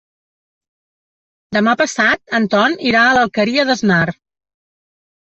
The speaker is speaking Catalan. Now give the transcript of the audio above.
Demà passat en Ton irà a l'Alqueria d'Asnar.